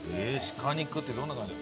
鹿肉ってどんな感じ？